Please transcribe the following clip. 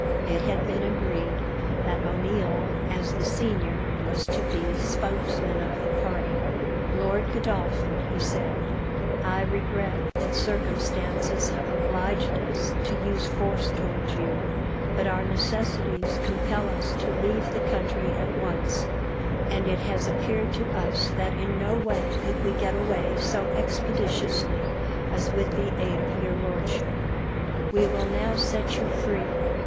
It had been agreed that O'Neil, as the senior, was to be spokesman of the party. "Lord Godolphin," he said, "I regret that circumstances have obliged us to use force towards you, but our necessities compel us to leave the country at once, and it has appeared to us that in no way could we get away so expeditiously as with the aid of your lordship. We will now set you free.